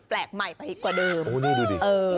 แปลกใหม่ไปกว่าเดิมโอ้นี่ดูดิเออ